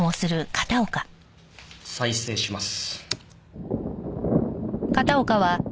再生します。